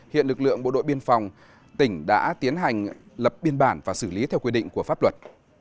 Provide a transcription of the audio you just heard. hiện lực lượng bộ đội biên phòng tỉnh đã tiến hành lập biên bản và xử lý theo quy định của pháp luật